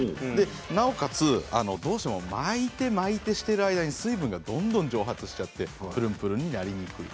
なおかつどうしても巻いて巻いて、としている間に水分がどんどん蒸発してぷるんぷるんになりにくい。